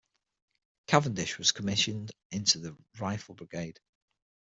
Cavendish was commissioned into the Rifle Brigade.